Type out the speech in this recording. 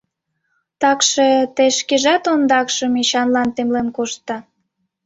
Такше, те шкежат ондакшым Эчанлан темлен коштда...